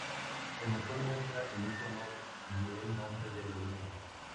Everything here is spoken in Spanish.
El botón muestra el icono y el nombre del elemento.